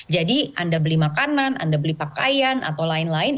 jadi anda beli makanan anda beli pakaian atau lain lain